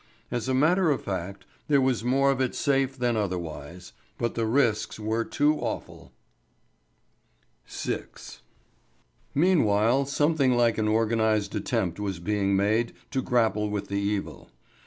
As a matter of fact there was more of it safe than otherwise, but the risks were too awful. VI. Meanwhile something like an organised attempt was being made to grapple with the evil.